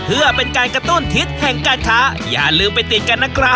เพื่อเป็นการกระตุ้นทิศแห่งการค้าอย่าลืมไปติดกันนะครับ